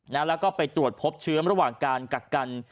แล้วก็ไปตรวจพบเชื้อระหว่างการกักกัน